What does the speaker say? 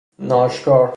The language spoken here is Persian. ناآشکار